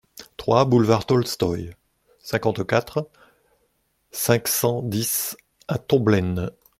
trois boulevard Tolstoï, cinquante-quatre, cinq cent dix à Tomblaine